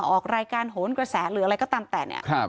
ออกรายการโหนกระแสหรืออะไรก็ตามแต่เนี่ย